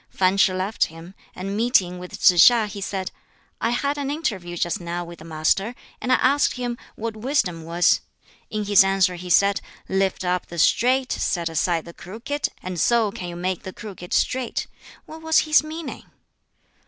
Fan Ch'i left him, and meeting with Tsz hiŠ he said, "I had an interview just now with the Master, and I asked him what wisdom was. In his answer he said, 'Lift up the straight, set aside the crooked, and so can you make the crooked straight.' What was his meaning?"